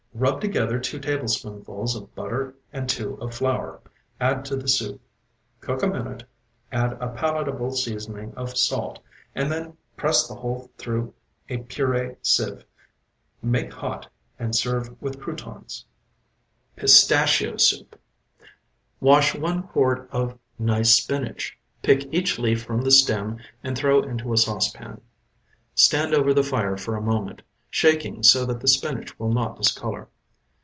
Rub together two tablespoonfuls of butter and two of flour; add to the soup; cook a minute; add a palatable seasoning of salt, and then press the whole through a purée sieve. Make hot and serve with croutons. PISTACHIO SOUP Wash one quart of nice spinach. Pick each leaf from the stem and throw into a saucepan; stand over the fire for a moment, shaking so that the spinach will not discolor.